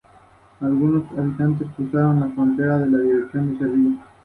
De su caserío, destaca la iglesia parroquial de Santa María y especialmente su espadaña.